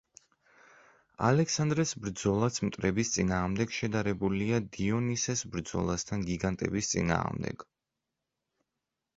ალექსანდრეს ბრძოლაც მტრების წინააღმდეგ შედარებულია დიონისეს ბრძოლასთან გიგანტების წინააღმდეგ.